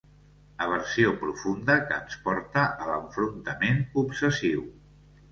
Aversió profunda que ens porta a l'enfrontament obsessiu.